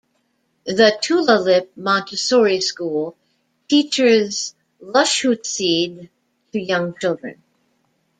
The Tulalip Montessori School teaches Lushootseed to young children.